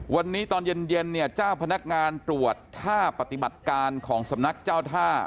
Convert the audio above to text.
วันนี้ตอนเย็นเนี่ยเจ้าพนักงานตรวจท่าปฏิบัติการของสำนักเจ้าท่า